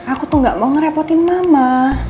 aku tuh gak mau ngerepotin mama